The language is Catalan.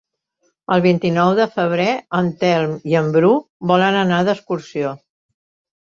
El vint-i-nou de febrer en Telm i en Bru volen anar d'excursió.